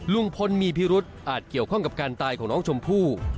ลุงพลมีพิรุษอาจเกี่ยวข้องกับการตายของน้องชมพู่